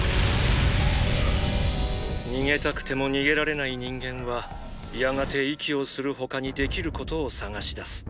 逃げたくても逃げられない人間はやがて息をする他にできることを探し出す。